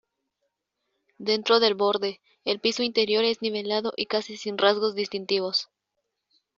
Dentro del borde, el piso interior es nivelado y casi sin rasgos distintivos.